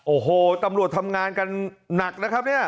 โอ้โหตำรวจทำงานกันนักนะครับ